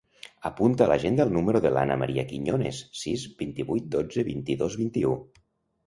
Apunta a l'agenda el número de l'Ana maria Quiñones: sis, vint-i-vuit, dotze, vint-i-dos, vint-i-u.